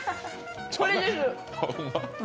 これです！